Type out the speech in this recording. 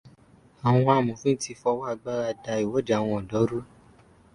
Àwọn amọ̀fin ti fi ọwọ́ agbára da ìwọde àwọn ọ̀dọ́ rú.